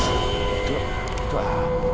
itu itu apa